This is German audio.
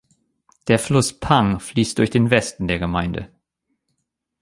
Der Fluss Pang fließt durch den Westen der Gemeinde.